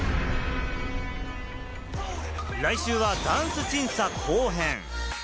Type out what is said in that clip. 来週はダンス審査後編。